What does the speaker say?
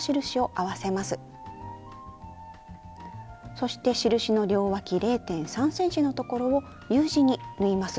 そして印の両わき０．３ｃｍのところをＵ字に縫います。